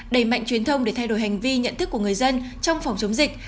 đẩy mạnh truyền thông để thay đổi hành vi nhận thức của người dân trong phòng chống dịch